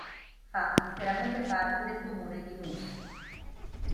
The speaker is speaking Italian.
Fa interamente parte del comune di Nus.